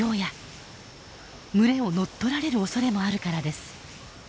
群れを乗っ取られる恐れもあるからです。